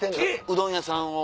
うどん屋さんを。